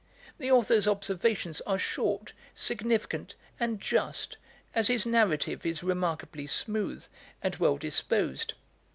The author's observations are short, significant, and just, as his narrative is remarkably smooth, and well disposed.